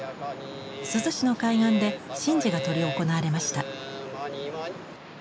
珠洲の海岸で神事が執り行われました。